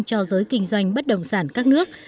cho giới kinh doanh bất động sản các nước